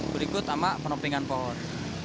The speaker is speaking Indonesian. berikut sama penoplingan pohon